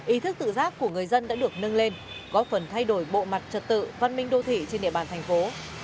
ý thức tự giác của người dân đã được nâng lên góp phần thay đổi bộ mặt trật tự văn minh đô thị trên địa bàn thành phố